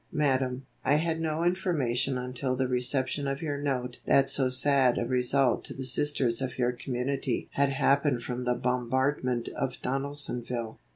"Madame: I had no information until the reception of your note that so sad a result to the Sisters of your community had happened from the bombardment of Donaldsonville.